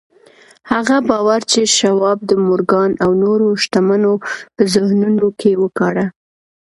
هغه باور چې شواب د مورګان او نورو شتمنو په ذهنونو کې وکاره.